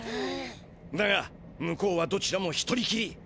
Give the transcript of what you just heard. だが向こうはどちらも一人きり。